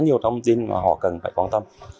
nhiều thông tin mà họ cần phải quan tâm